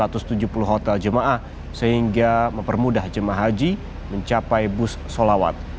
satu ratus tujuh puluh hotel jemaah sehingga mempermudah jemaah haji mencapai bus solawat